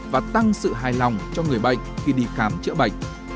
và tăng sự hài lòng cho người bệnh khi đi khám chữa bệnh